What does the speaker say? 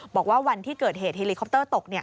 บอกว่าวันที่เกิดเหตุเฮลิคอปเตอร์ตก